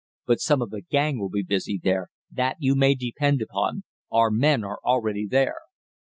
But some of the gang will be busy there, that you may depend upon our men are already there."